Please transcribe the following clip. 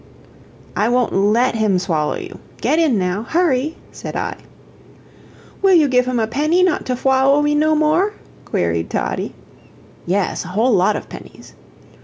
"I won't LET him swallow you. Get in now hurry," said I. "Will you give him a penny not to fwallow me no more?" queried Toddie. "Yes a whole lot of pennies."